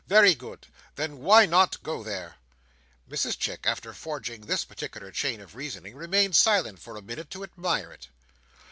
Very good. Then why not go there?" Mrs Chick, after forging this powerful chain of reasoning, remains silent for a minute to admire it.